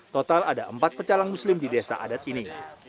total ada empat pecalang muslim di desa adat ini